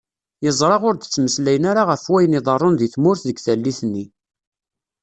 Yezṛa ur d-ttmeslayen ara γef wayen iḍeṛṛun di tmurt deg tallit nni.